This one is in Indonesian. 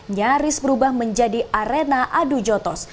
nyaris berubah menjadi arena adu jotos